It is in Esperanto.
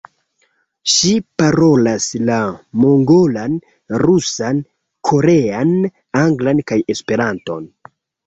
Ŝi parolas la mongolan, rusan, korean, anglan kaj Esperanton.